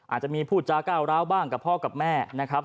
อาจจะมีพูดจาก้าวร้าวบ้างกับพ่อกับแม่นะครับ